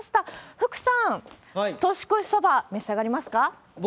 福さん、年越しそば、召し上がりますか？